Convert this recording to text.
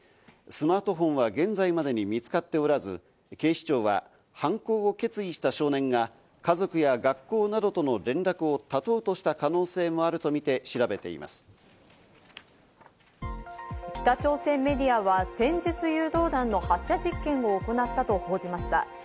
スマートフォンは現在までに見つかっておらず、警視庁は犯行を決意した少年が家族や学校などとの連絡をたとうとした可能性もあるとみて調べて北朝鮮メディアは戦術誘導弾の発射実験を行ったと報じました。